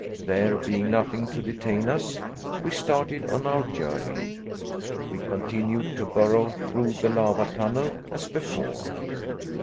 There being nothing to detain us, we started on our journey. We continued to burrow through the lava tunnel as before.